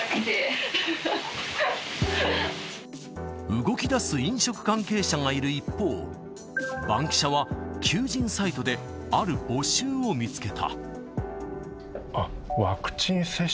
動き出す飲食関係者がいる一方、バンキシャは、バンキシャは求人サイトである募集を見つけた。